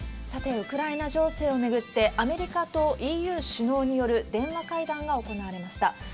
さて、ウクライナ情勢を巡って、アメリカとＥＵ首脳による電話会談が行われました。